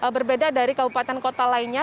berbeda dari kabupaten kota lainnya